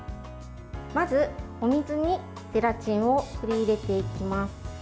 まずお水にゼラチンを振り入れていきます。